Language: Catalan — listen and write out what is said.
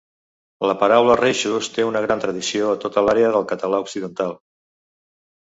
La paraula "reixos" té una gran tradició a tota l’àrea del català occidental.